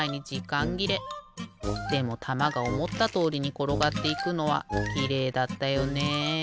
でもたまがおもったとおりにころがっていくのはきれいだったよね。